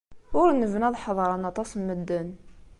Ur nebni ad ḥedṛen aṭas n medden.